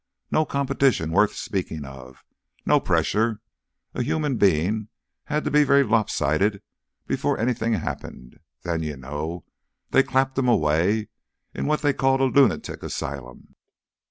No competition worth speaking of no pressure. A human being had to be very lopsided before anything happened. Then, you know, they clapped 'em away in what they called a lunatic asylum."